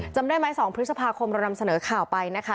จำได้ไหม๒พฤษภาคมเรานำเสนอข่าวไปนะคะ